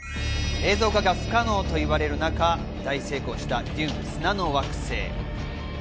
映像化が不可能といわれる中大成功した『ＤＵＮＥ／デューン砂の惑星』。